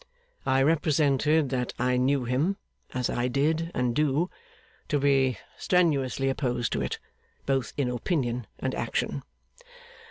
I represented that I knew him (as I did and do) to be strenuously opposed to it, both in opinion and action.